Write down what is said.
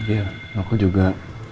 ya aku juga